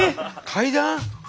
階段？